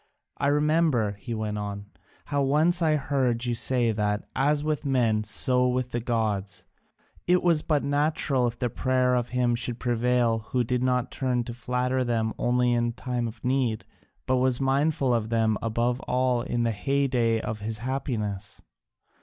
I remember," he went on, "how once I heard you say that, as with men, so with the gods, it was but natural if the prayer of him should prevail who did not turn to flatter them only in time of need, but was mindful of them above all in the heyday of his happiness.